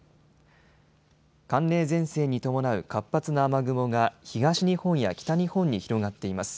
寒冷前線に伴う活発な雨雲が東日本や北日本に広がっています。